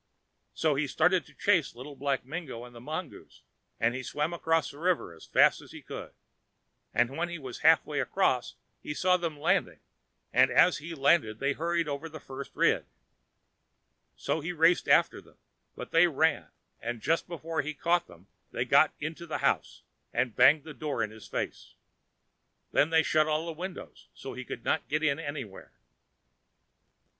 So he started to chase Little Black Mingo and the mongoose, and he swam across the river as fast as ever he could, and when he was half way across he saw them landing, and as he landed they hurried over the first ridge. So he raced after them, but they ran, and just before he caught them they got into the house, and banged the door in his face. Then they shut all the windows, so he could not get in anywhere.